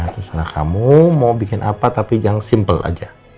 terserah kamu mau bikin apa tapi jangan simpel aja